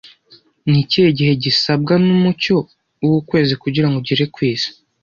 Ni ikihe gihe gisabwa n'umucyo w'ukwezi kugirango ugere ku isi